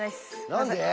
何で？